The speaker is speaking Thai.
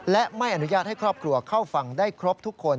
และไม่อนุญาตให้ครอบครัวเข้าฟังได้ครบทุกคน